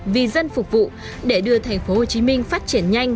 vì dân phục vụ để đưa thành phố hồ chí minh phát triển nhanh